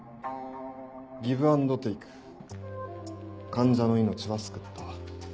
ギブアンドテイク患者の命は救った。